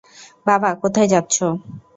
বাবা, কোথায় যাচ্ছো?